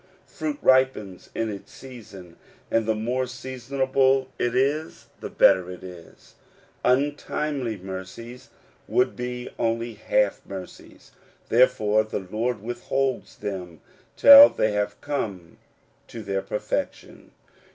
Fruit ripens in its season, and the more seasonable it is the better it is. Untimely mercies would be only half mercies ; therefore the Lord withholds them till they have come to their perfection.